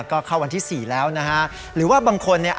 ก็เข้าวันที่สี่แล้วนะฮะหรือว่าบางคนเนี่ย